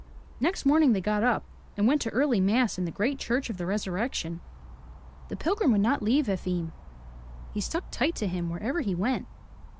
Next morning they got up and went to early mass in the great Church of the Resurrection. The pilgrim would not leave Efim. He stuck tight to him wherever he went.